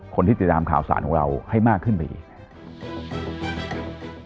คนที่ติดตามข่าวสารของเราให้มากขึ้นไปอีก